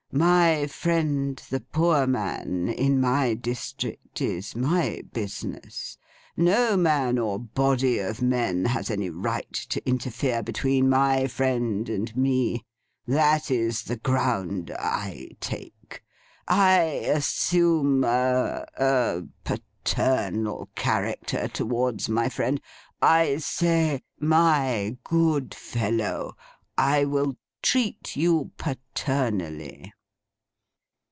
My friend the Poor Man, in my district, is my business. No man or body of men has any right to interfere between my friend and me. That is the ground I take. I assume a—a paternal character towards my friend. I say, "My good fellow, I will treat you paternally."